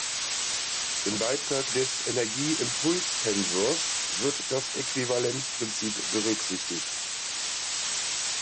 Im Beitrag des Energie-Impuls-Tensors wird das Äquivalenzprinzip berücksichtigt.